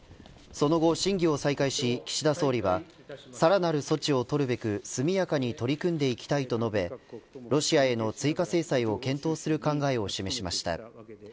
その後、審議を再開し岸田総理はさらなる措置を取るべく速やかに取り組んでいきたいと述べロシアへの追加制裁を検討する考えを示しました。